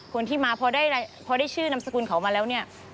คนที่มาพอได้ชื่อนามสกุลเขามาแล้วเนี่ย